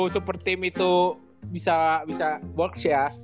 super team itu bisa box ya